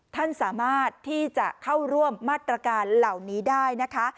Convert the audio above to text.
ท่านสามารถที่จะเข้าร่วมมาตรการเหล่านี้ได้นะคะ